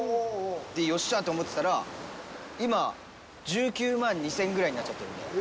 で、よっしゃって思ってたら今１９万２０００ぐらいになっちゃって。